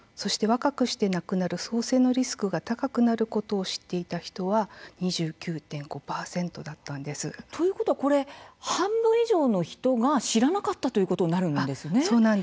「若くして亡くなる早世のリスクが高くなる」ことを知っていた人は２９．５％だったんです。ということは半分以上の人が知らなかったということになるんですね。